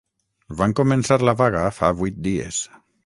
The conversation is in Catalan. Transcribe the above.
Van començar la vaga fa vuit dies